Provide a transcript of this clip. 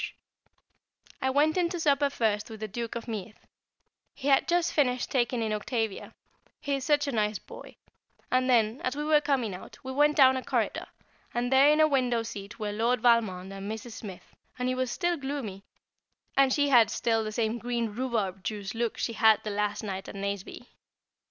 [Sidenote: At Supper] I went in to supper first with the Duke of Meath he had just finished taking in Octavia he is such a nice boy; and then, as we were coming out, we went down a corridor, and there in a window seat were Lord Valmond and Mrs. Smith, and he was still gloomy, and she had the same green rhubarb juice look she had the last night at Nazeby.